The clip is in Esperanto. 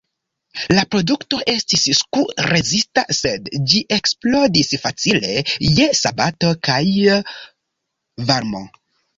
La produkto estis sku-rezista, sed ĝi eksplodis facile je bato kaj varmo.